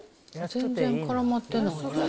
全然絡まってないね。